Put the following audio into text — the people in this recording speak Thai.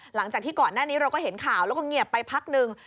หลังจากที่ก่อนหน้านี้เราก็เห็นข่าวแล้วก็เงียบไปพักหนึ่ง